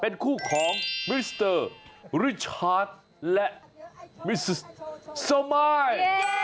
เป็นคู่ของมิสเตอร์ริชาร์จและมิซิสสมาย